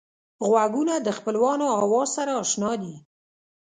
غوږونه د خپلوانو آواز سره اشنا دي